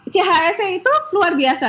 chse itu luar biasa